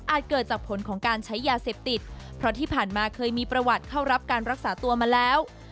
เกิดจากผลของการใช้ยาเสพติดเพราะที่ผ่านมาเคยมีประวัติเข้ารับการรักษาตัวมาแล้ว